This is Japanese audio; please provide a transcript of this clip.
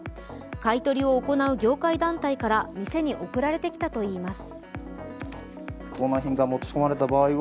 買い取りを行う業界団体から店に送られてきたといいます。